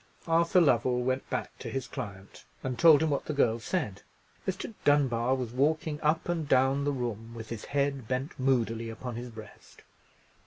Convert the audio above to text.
Arthur Lovell went back to his client, and told him what the girl said. Mr. Dunbar was walking up and down the room, with his head bent moodily upon his breast.